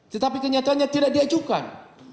tetapi kenyataannya tidak diajukan